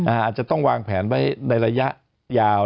อาจจะต้องวางแผนไว้ในระยะยาว